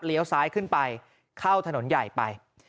เลี้ยวซ้ายขึ้นไปเข้าถนนใหญ่ไป